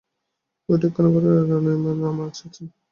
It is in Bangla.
বৈঠকখানা-ঘরে রানীমা আছেন।